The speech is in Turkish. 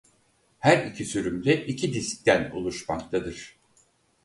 Her iki sürüm de iki diskten oluşmaktadır.